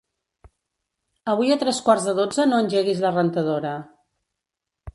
Avui a tres quarts de dotze no engeguis la rentadora.